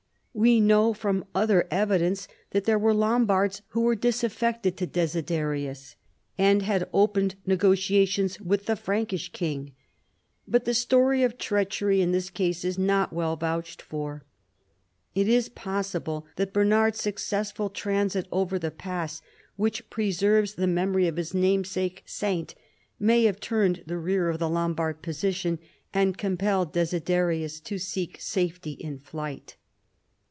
We know from other evidence that there were Lombards who were disaffected to Desiderius, and had opened negotiations with the Frankish king; but the story of treachery in this case is not well vouched for. It is possible that Bernard's successful transit over the pass which preserves the memory of his namesake saint, may have turned the rear of the Lombard position, and compelled Desiderius to seek safety in flight.